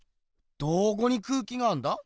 どこに空気があんだ？